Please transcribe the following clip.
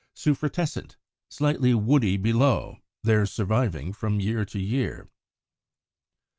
Suffrutescent, slightly woody below, there surviving from year to year.